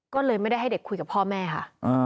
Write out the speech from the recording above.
ก็เลยไม่ได้ให้เด็กคุยกับพ่อแม่ค่ะ